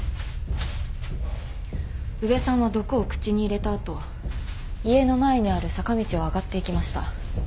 宇部さんは毒を口に入れた後家の前にある坂道を上がっていきました。